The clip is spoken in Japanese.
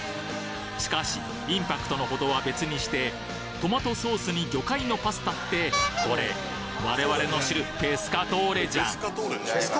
しかしインパクトの程は別にしてトマトソースに魚介のパスタってこれ我々の知るペスカトーレじゃん！？